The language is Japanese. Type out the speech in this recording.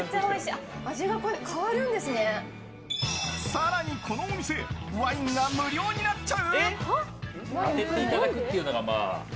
更に、このお店ワインが無料になっちゃう？